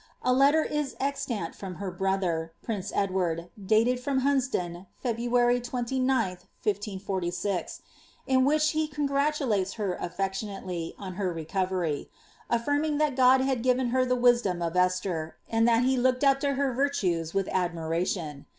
A letter is ev tant from her brother, prince Eld ward ,^ dated from Hunsdon, May *Ju, 1546, in which he congratulates her atrectionately, on her recoverr. alYirmiug that God had given her the wisdom of Esther, and thai he looked up to her virtues wiih admiration.